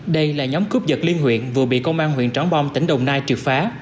đây là nhóm cướp giật liên huyện vừa bị công an huyện tróng bom tỉnh đồng nai triệt phá